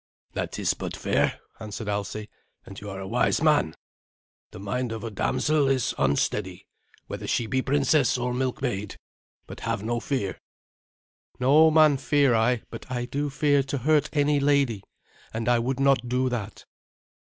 "That is but fair," answered Alsi; "and you are a wise man. The mind of a damsel is unsteady, whether she be princess or milkmaid; but have no fear." "No man fear I; but I do fear to hurt any lady, and I would not do that."